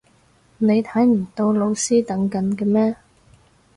你睇唔到老師等緊嘅咩？